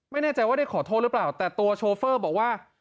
ไม่แน่ใจว่าได้ขอโทษหรือเปล่าแต่ตัวโชเฟอร์บอกว่า